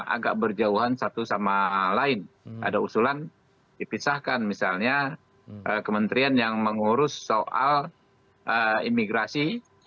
agak berjauhan satu sama lain ada usulan dipisahkan misalnya kementerian yang mengurus soal imigrasi